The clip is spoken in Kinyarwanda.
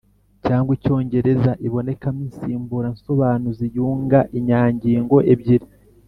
cyangwa icyongereza ibonekamo insimbura nsobanuzi yunga inyangingo ebyiri,